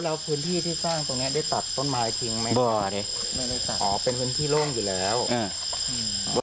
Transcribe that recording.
แล้วพื้นที่ที่สร้างตรงนี้ได้ตัดต้นไม้จริงไหมครับ